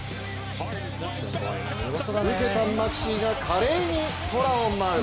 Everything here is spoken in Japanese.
受けたマクシーが華麗に空を舞う。